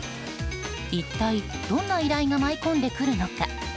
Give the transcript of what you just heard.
一体どんな依頼が舞い込んでくるのか？